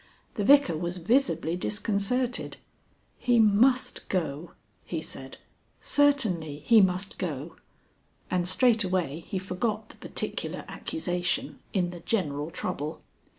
The Vicar was visibly disconcerted. "He must go," he said; "certainly he must go," and straightway he forgot the particular accusation in the general trouble.